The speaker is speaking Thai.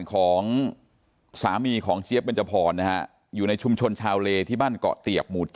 ของสามีของเจี๊ยบแม่งจับพรอยู่ในชุมชนชาวเลที่บ้านเกาะเตี๋ยบ